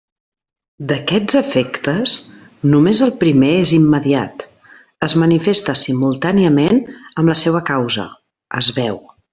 D'aquests efectes, només el primer és immediat, es manifesta simultàniament amb la seua causa, es veu.